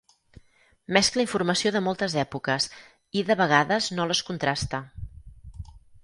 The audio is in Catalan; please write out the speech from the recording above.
Mescla informació de moltes èpoques i de vegades no les contrasta.